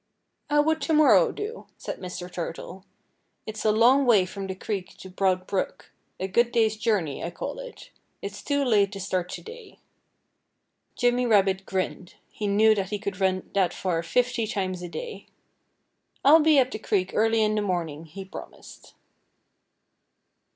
"How would to morrow do?" said Mr. Turtle. "It's a long way from the creek to Broad Brook a good day's journey, I call it. It's too late to start to day." Jimmy Rabbit grinned. He knew that he could run that far fifty times a day. "I'll be at the creek early in the morning," he promised.